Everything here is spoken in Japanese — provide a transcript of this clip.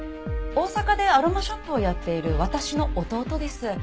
大阪でアロマショップをやっている私の弟です。